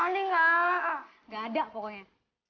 nggak ada pokoknya